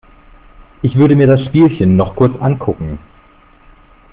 Ich würde mir das Spielchen noch kurz ankucken.